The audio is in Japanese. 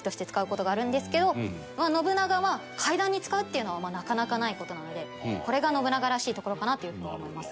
信長は階段に使うっていうのはなかなかない事なのでこれが信長らしいところかなという風に思います。